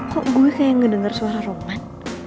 kok gue kayak ngedenger suara roman